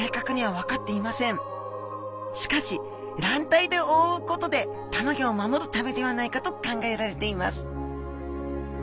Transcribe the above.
しかし卵帯でおおうことでたまギョを守るためではないかと考えられています。